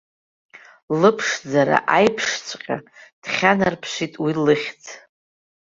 Лыԥшӡара аиԥшҵәҟьа дхьанарԥшит уи лыхьӡ.